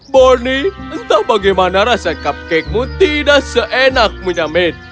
barney entah bagaimana rasa cupcakemu tidak seenakmu nyamin